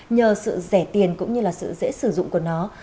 nhờ sự rẻ tiền cũng như là sự dễ sử dụng của nó